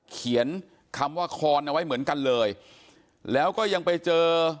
เขียนคำว่าคอนเอาไว้เหมือนกันเลยแล้วก็ยังไปเจอ